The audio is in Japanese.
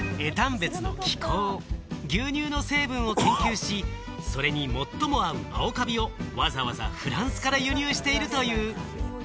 別の気候、牛乳の成分を研究し、それに最も合う青カビを、わざわざフランスから輸入しているという。